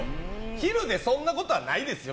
昼でそんなことはないですよ